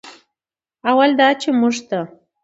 اول دا چې موږ ته